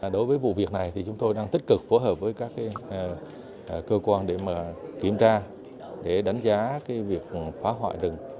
đối với vụ việc này thì chúng tôi đang tích cực phối hợp với các cơ quan để kiểm tra để đánh giá việc phá hoại rừng